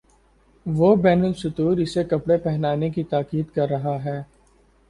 وہ بین السطور اسے کپڑے پہنانے کی تاکید کر رہا ہے۔